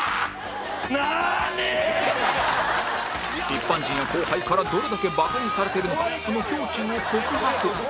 一般人や後輩からどれだけバカにされているのかその胸中を告白